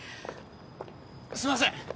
すいません！